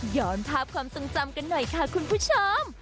ภาพความทรงจำกันหน่อยค่ะคุณผู้ชม